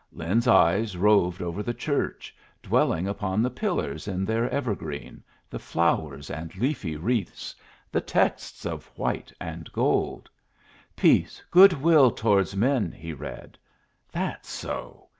Lin's eyes roved over the church, dwelling upon the pillars in their evergreen, the flowers and leafy wreaths, the texts of white and gold. "'Peace, good will towards men,'" he read. "That's so.